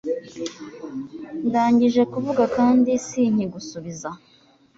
Ndangije kuvuga kandi sinkigusubiza